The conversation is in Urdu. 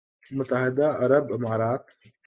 متحدہ عرب امارات